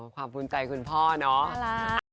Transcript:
ความบุญใจคุณพ่อน้องอาลา